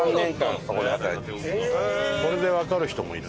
それでわかる人もいる。